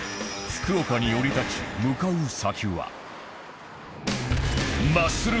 福岡に降り立ち向かう先は